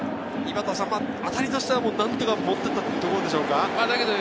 当たりとしては何とか持って行ったというところでしょうか？